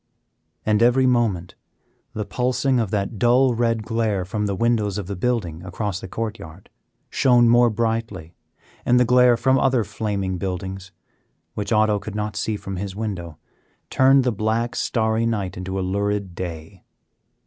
And every moment the pulsing of that dull red glare from the windows of the building across the court yard shone more brightly, and the glare from other flaming buildings, which Otto could not see from his window, turned the black, starry night into a lurid day.